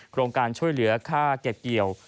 โครงการช่วยเหลือค่าเก็บเกี่ยว